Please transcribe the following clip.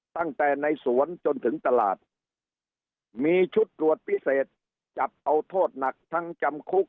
ตั้งแต่ในสวนจนถึงตลาดมีชุดตรวจพิเศษจับเอาโทษหนักทั้งจำคุก